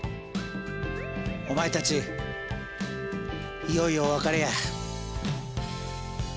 お前たちいよいよお別れや。